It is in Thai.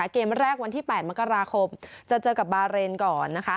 เกมแรกวันที่๘มกราคมจะเจอกับบาเรนก่อนนะคะ